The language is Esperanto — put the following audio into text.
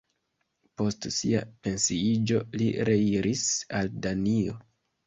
Post sia pensiiĝo li reiris al Danio.